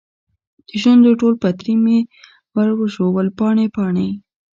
دشونډو ټول پتري مې ورژول پاڼې ، پاڼې